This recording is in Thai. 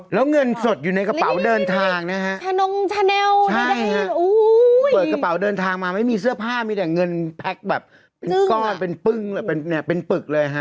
แล้วเงินสดอยู่ในกระเป๋าเดินทางนะฮะโอ้โฮเปิดกระเป๋าเดินทางมาไม่มีเสื้อผ้ามีแต่เงินแพ็กแบบเป็นก้อนเป็นปึ่งเป็นปึกเลยฮะ